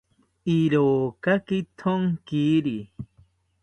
Irokaki thonkiri